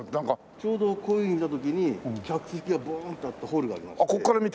ちょうどこういうふうに見た時に客席がドンとあったホールがありまして。